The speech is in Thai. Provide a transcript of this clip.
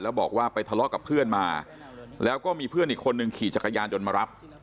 แล้วบอกว่าไปทะเลาะกับเพื่อนมาแล้วก็มีเพื่อนอีกคนนึงขี่จักรยานยนต์มารับ